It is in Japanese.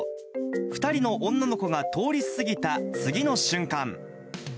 ２人の女の子が通り過ぎた次の瞬間。